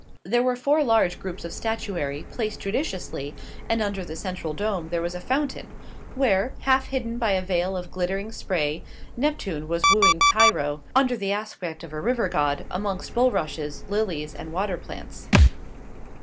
There were four large groups of statuary, placed judiciously, and under the central dome there was a fountain, where, half hidden by a veil of glittering spray, Neptune was wooing Tyro, under the aspect of a river god, amongst bulrushes, lilies, and water plants.